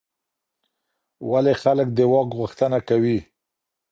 ولي خلګ د واک غوښتنه کوي؟